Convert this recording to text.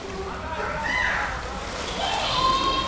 そっかじゃあね！